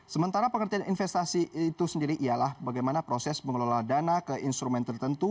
sementara pengertian investasi itu sendiri ialah bagaimana proses mengelola dana ke instrumen tertentu